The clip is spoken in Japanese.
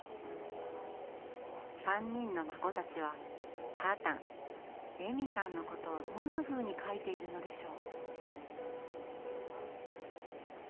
３人の孫たちはたーたんレミさんのことをどんなふうに書いているのでしょう？